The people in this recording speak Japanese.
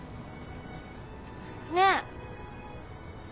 ねえ！